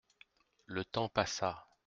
Le temps passa.